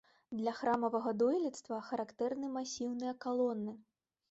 Для храмавага дойлідства характэрны масіўныя калоны.